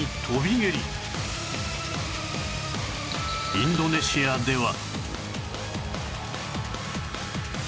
インドネシアでは